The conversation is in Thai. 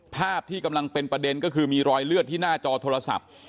ภาพที่กำลังเป็นประเด็นก็คือมีรอยเลือดที่หน้าจอโทรศัพท์